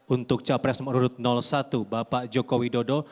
untuk capres menurut satu bapak joko widodo